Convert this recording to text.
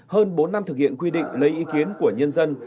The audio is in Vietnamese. hơn bốn năm thực hiện quy định lấy ý kiến của nhân dân